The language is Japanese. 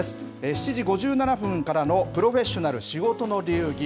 ７時５７分からのプロフェッショナル仕事の流儀。